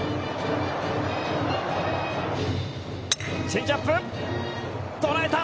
チェンジアップ、捉えた！